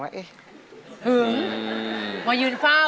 หึงมายืนเฝ้า